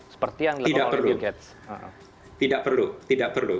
seperti yang dilakukan oleh bill gates